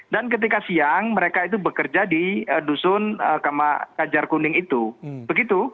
dan ketika siang mereka itu bekerja di dusun kajar kuning itu begitu